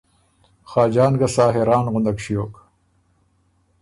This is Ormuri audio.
خاجان ګه سا حېران غُندک ݭیوک